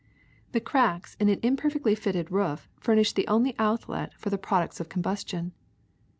The cracks in an imperfectly fitted roof furnish the only outlet for the products of combustion."